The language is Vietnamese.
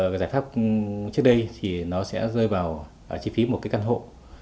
cái giải pháp trước đây thì nó sẽ rơi vào chi phí một cái căn hộ